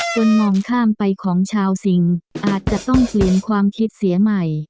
คนมองข้ามไปของชาวสิงอาจจะต้องเปลี่ยนความคิดเสียใหม่